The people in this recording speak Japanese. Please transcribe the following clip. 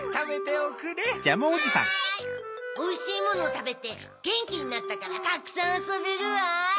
おいしいものをたべてゲンキになったからたくさんあそべるわ。